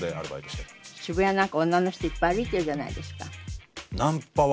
渋谷なんか女の人いっぱい歩いてるじゃないですか。